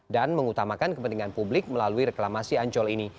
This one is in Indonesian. dan mengutamakan kepentingan publik melalui reklamasi ancol ini